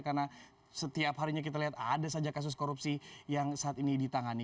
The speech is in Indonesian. karena setiap harinya kita lihat ada saja kasus korupsi yang saat ini ditangani